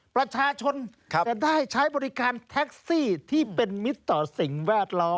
ประชาชนจะได้ใช้บริการแท็กซี่ที่เป็นมิตรต่อสิ่งแวดล้อม